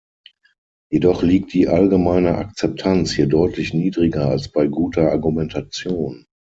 Jedoch liegt die allgemeine Akzeptanz hier deutlich niedriger als bei guter Argumentation.